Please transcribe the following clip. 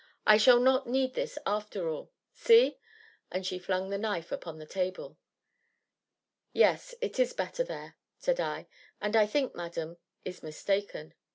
I shall not need this, after all see!" And she flung the knife upon the table. "Yes it is better there," said I, "and I think madam is mistaken."